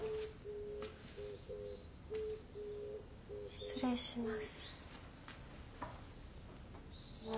失礼します。